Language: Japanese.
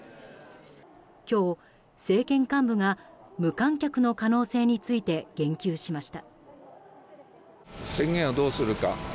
今日、政権幹部が無観客の可能性について言及しました。